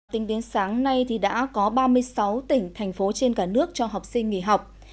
tính đến sáng nay thì đã có ba mươi sáu tỉnh thành phố trên cả nước cho học sinh nghỉ học